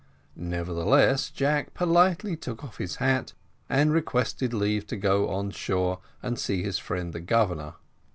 Nevertheless, Jack politely took off his hat, and requested leave to go on shore and see his friend the Governor.